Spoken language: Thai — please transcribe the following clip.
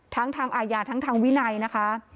ทั้งทางอาญาทั้งทางวินัยนะคะ